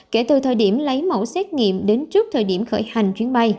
kể từ thời điểm lấy mẫu xét nghiệm đến trước thời điểm khởi hành